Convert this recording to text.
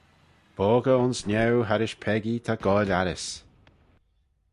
Boggey ayns niau harrish peccee ta goaill arrys.